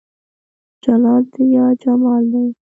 جلال دى يا جمال دى